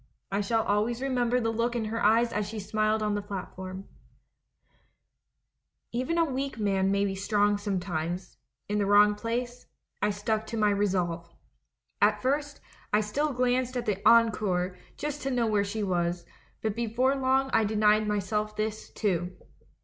I shall always remember the look in her eyes as she smiled on the platform ! "Even a weak man may be strong sometimes — in the wrong place ; I stuck to my resolve. At A LETTER TO THE DUCHESS 195 first, I still glanced at the Encore, just to know where she was, but before long I denied myself this, too.